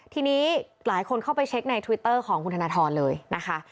ทีนี้หลายคนเข้าไปเช็คในทวิตเตอร์ของคุณธนทรเลยนะคะ